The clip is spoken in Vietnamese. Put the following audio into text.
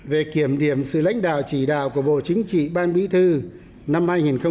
bốn về kiểm điểm sự lãnh đạo trí đạo của bộ chính trị ban bí thư năm hai nghìn một mươi sáu